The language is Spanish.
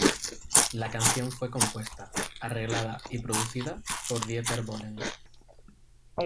La canción fue compuesta, arreglada y producida por Dieter Bohlen.